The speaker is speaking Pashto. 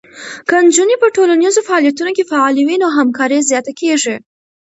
که نجونې په ټولنیزو فعالیتونو کې فعاله وي، نو همکاری زیاته کېږي.